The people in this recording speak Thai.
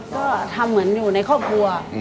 ก็ทำเหมือนอยู่ในครอบครัว